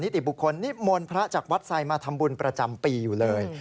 ติบุคคลนิมนต์พระจากวัดไซดมาทำบุญประจำปีอยู่เลย